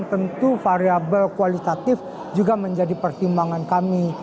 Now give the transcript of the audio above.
tentu variable kualitatif juga menjadi pertimbangan kami